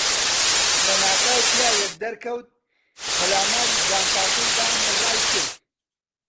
لەناکاو پیاوێک دەرکەوت، پەلاماری جانتاکەی دام و ڕایکرد.